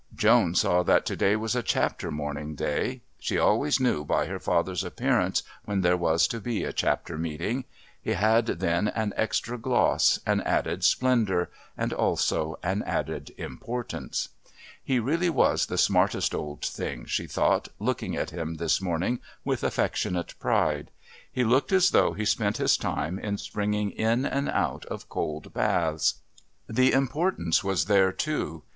Joan saw that to day was a "Chapter morning" day. She always knew by her father's appearance when there was to be a Chapter Meeting. He had then an extra gloss, an added splendour, and also an added importance. He really was the smartest old thing, she thought, looking at him this morning with affectionate pride. He looked as though he spent his time in springing in and out of cold baths. The importance was there too.